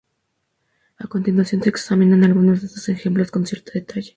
A continuación se examinan algunos de estos ejemplos con cierto detalle.